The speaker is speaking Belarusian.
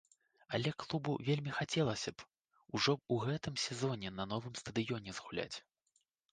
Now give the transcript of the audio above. Але клубу вельмі хацелася б ужо ў гэтым сезоне на новым стадыёне згуляць.